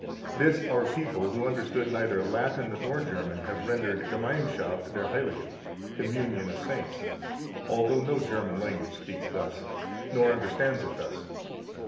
This our people, who understood neither Latin nor German, have rendered Gemeinschaft der Heiligen (communion of saints), although no German language speaks thus, nor understands it thus.